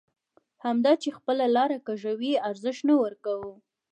همدا چې خپله لاره کږوي ارزښت نه ورکوو.